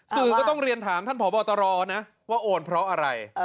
สื่อก็ต้องเรียนถามท่านผอบตรนะว่าโอนเพราะอะไร